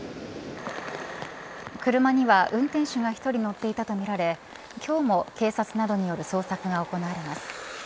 車には運転手が１人乗っていたとみられ、今日も警察などによる捜索が行われます。